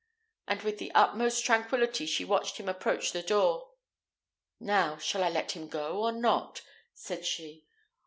and with the utmost tranquillity she watched him approach the door. "Now, shall I let him go or not?" said she.